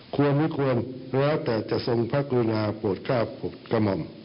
ควรมีควรแล้วแต่จะทรงพระกรุณาโปรด๙๖กม